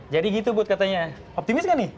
jadi gitu bud katanya optimis nggak nih